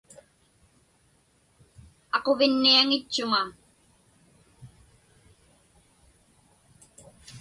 Aquvinniaŋitchuŋa.